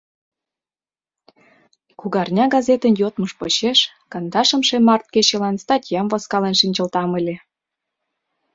«Кугарня» газетын йодмыж почеш Кандашымше Март кечылан статьям возкален шинчылтам ыле.